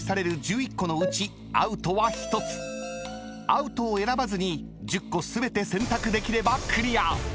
［アウトを選ばずに１０個全て選択できればクリア］